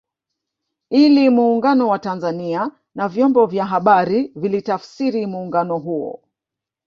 Ili Muungano wa Tanzania na vyombo vya habari vilitafsiri muungano huo